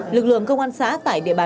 lực lượng công an xã tại địa bàn